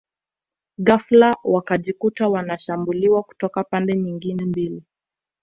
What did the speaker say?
Ghafla wakajikuta wanashambuliwa kutoka pande nyingine mbili